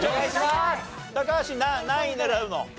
高橋何位狙うの？